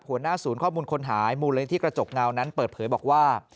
หัวหน้าศูนย์ข้อมูลคนหายมูลนิธิกระจกเงานั้นเปิดเผยบอกว่า